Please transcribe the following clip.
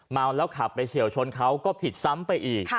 เมาแล้วขับไปเฉียวชนเขาก็ผิดซ้ำไปอีก